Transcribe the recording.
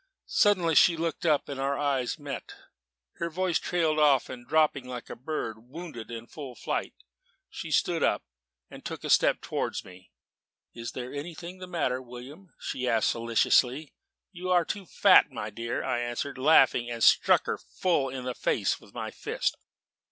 Suddenly she looked up and our eyes met. Her voice trailed off and dropped like a bird wounded in full flight. She stood up and took a step towards me. 'Is anything the matter, William?' she asked solicitously. 'You are too fat, my dear,' I answered, laughing, and struck her full in the face with my fist.